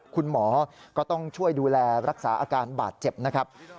คุณหมอก็ต้องช่วยดูแลรักษาอาการบาดเจ็บนะครับ